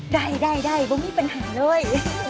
ได้ก็มีปัญหาเลย